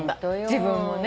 自分もね。